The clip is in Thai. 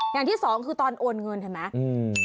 อย่างที่สองคือตอนโอนเงินเห็นไหม